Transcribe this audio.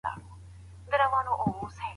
کمپيوټر د حکومت مرسته کوي.